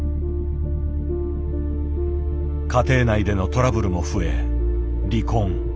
家庭内でのトラブルも増え離婚。